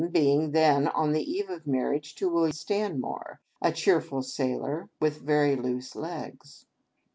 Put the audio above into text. being then on the eve of marriage to Will Stanmore, a cheerful sailor, with very loose legs.